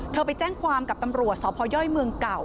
ไปแจ้งความกับตำรวจสพย่อยเมืองเก่า